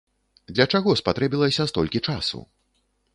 Для чаго спатрэбілася столькі часу?